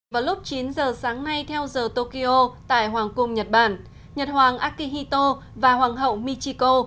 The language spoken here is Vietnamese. vào lúc chín giờ sáng nay theo giờ tokyo tại hoàng cung nhật bản nhật hoàng akihito và hoàng hậu michiko